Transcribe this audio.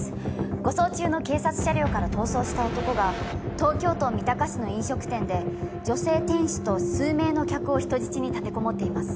護送中の警察車両から逃走した男が東京都三鷹市の飲食店で女性店主と数名の客を人質に立てこもっています